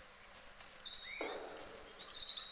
راتلونکی حکومت به د خلګو په خوښه پرېکړي کوي.